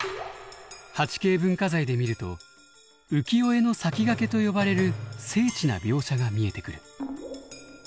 ８Ｋ文化財で見ると浮世絵の先駆けと呼ばれる精緻な描写が見えてくる。